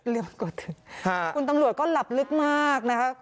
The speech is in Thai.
เรียกเหมือนกลัวตื่นคุณตำรวจก็หลับลึกมากนะคะ